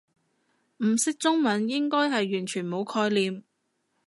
唔識中文應該係完全冇概念